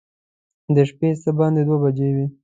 د شپې څه باندې دوه بجې وې.